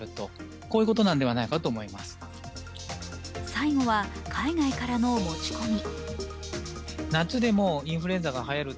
最後は、海外からの持ち込み。